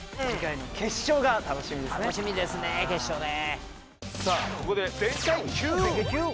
楽しみですね決勝ね！